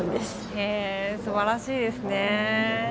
すばらしいですね。